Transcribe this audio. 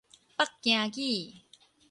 北京語